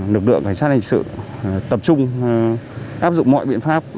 lực lượng cảnh sát hình sự tập trung áp dụng mọi biện pháp